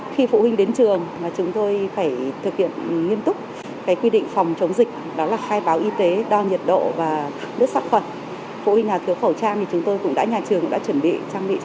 khi phụ huynh đến trường thì tôi thấy rằng là công tác mà chuẩn bị phòng dịch của trường rất là tốt